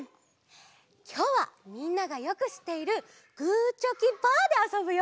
きょうはみんながよくしっているグーチョキパーであそぶよ。